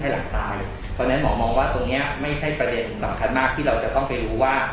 หลังตายเพราะฉะนั้นหมอมองว่าตรงนี้ไม่ใช่ประเด็นสำคัญมากที่เราจะต้องไปรู้ว่า